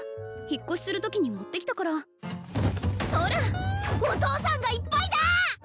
引っ越しするときに持ってきたからほらお父さんがいっぱいだー！